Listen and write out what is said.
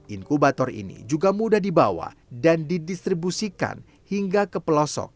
inkubator ini juga mudah dibawa dan didistribusikan hingga ke pelosok